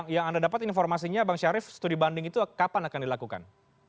yang anda dapat informasinya bang syarif studi banding itu kapan akan dilakukan